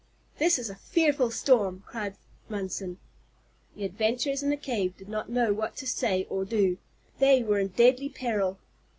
"This is a fearful storm," cried Munson. The adventurers in the cave did not know what to say or do. They were in deadly peril.